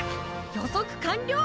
予測完了！